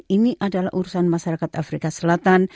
ini adalah urusan masyarakat afrika selatan